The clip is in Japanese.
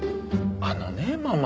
あのねママ。